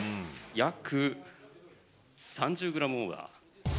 約３０グラムオーバー。